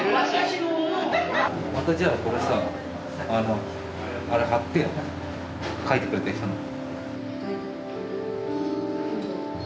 またじゃあこれさあれ貼ってよ書いてくれた人の。